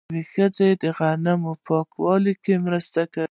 ښځې د غنمو په پاکولو کې مرسته کوي.